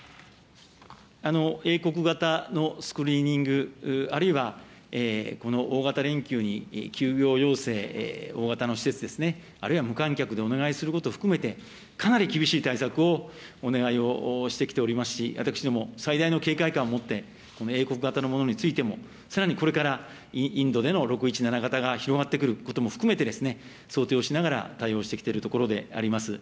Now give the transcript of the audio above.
英国型のスクリーニング、あるいはこの大型連休に休業要請、大型の施設ですね、あるいは無観客でお願いすることを含めて、かなり厳しい対策をお願いをしてきておりますし、私ども最大の警戒感を持って、この英国型のものについても、さらにこれから、インドでの６１７型が広がってくることも含めて、想定をしながら、対応してきているところであります。